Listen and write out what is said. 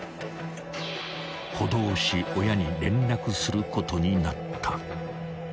［補導し親に連絡することになった］